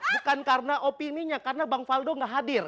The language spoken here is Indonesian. bukan karena opini nya karena bang faldo gak hadir